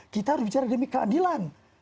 kita harus bicara demi keadilan